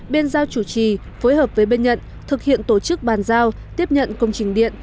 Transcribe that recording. bên giao chủ trì phối hợp với bên nhận thực hiện tổ chức bàn giao tiếp nhận công trình điện